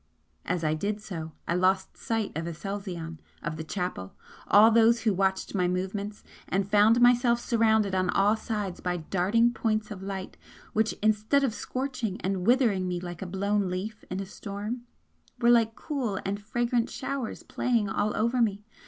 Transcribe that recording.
As I did so, I lost sight of Aselzion of the chapel and of all those who watched my movements, and found myself surrounded on all sides by darting points of light which instead of scorching and withering me like a blown leaf in a storm, were like cool and fragrant showers playing all over me!